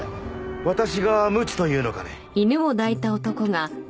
私が無知というのかね？